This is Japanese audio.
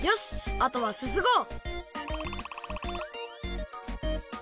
あとはすすごう！